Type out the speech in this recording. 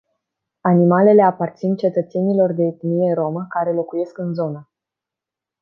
Animalele aparțin cetățenilor de etnie rromă care locuiesc în zonă.